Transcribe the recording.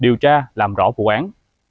điều tra làm rõ vụ án